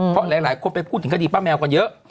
เพราะหลายคนไปพูดถึงคดีป้าแมวกันเยอะ